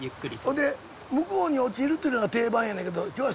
ほんで向こうに落ちるっていうのが定番やねんけど今日は。